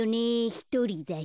ひとりだし。